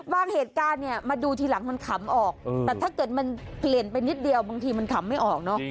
เหตุการณ์เนี่ยมาดูทีหลังมันขำออกแต่ถ้าเกิดมันเปลี่ยนไปนิดเดียวบางทีมันขำไม่ออกเนอะ